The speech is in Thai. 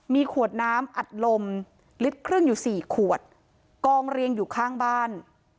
มีขวดน้ำอัดลมลิตรครึ่งอยู่๔ขวดกองเรียงอยู่ข้างบ้าน